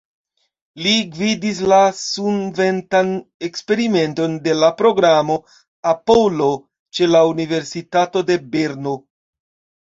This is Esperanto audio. Li gvidis la sunventan eksperimenton de la programo Apollo ĉe la Universitato de Berno.